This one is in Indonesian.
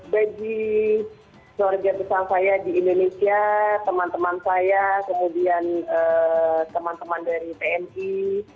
bagi keluarga besar saya di indonesia teman teman saya kemudian teman teman dari tni